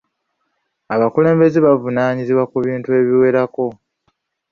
Abakulembeze bavunaanyizibwa ku bintu ebiwerako.